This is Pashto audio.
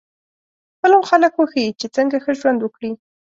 فلم خلک وښيي چې څنګه ښه ژوند وکړي